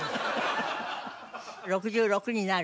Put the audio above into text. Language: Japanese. ６６になる？